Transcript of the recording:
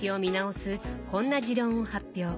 こんな持論を発表。